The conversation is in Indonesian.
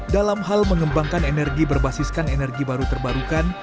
dalam hal mengembangkan energi berbasiskan energi baru terbarukan